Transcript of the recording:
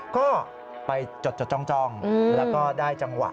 ก็ไปจดจ้องแล้วก็ได้จังหวะ